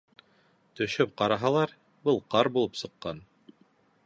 Төшөп ҡараһалар, был ҡар булып сыҡҡан.